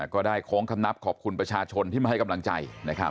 โค้งคำนับขอบคุณประชาชนที่มาให้กำลังใจ